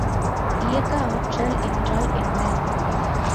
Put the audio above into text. இயக்க ஆற்றல் என்றால் என்ன?